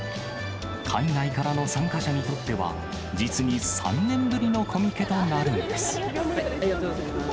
海外からの参加者にとっては、実に３年ぶりのコミケとなるのです。